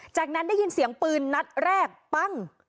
จากนั้นได้ยินเสียงปืนนัดแรกปั้ง